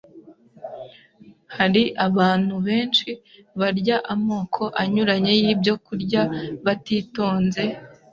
Hari abantu benshi barya amoko anyuranye y’ibyokurya batitonze,